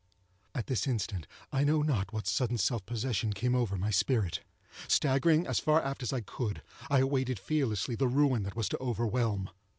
At this instant, I know not what sudden self possession came over my spirit. Staggering as far aft as I could, I awaited fearlessly the ruin that was to overwhelm.